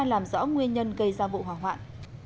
làm rõ nguyên nhân gây ra vụ hỏa hoạn